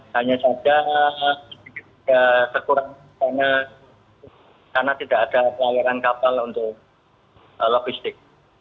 hanya saja sedikit sedikit terkurang karena tidak ada pelawaran kapal untuk logistik